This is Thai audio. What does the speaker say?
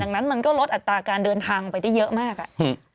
ดังนั้นมันก็ลดอัตราการเดินทางไปได้เยอะมากอ่ะอืม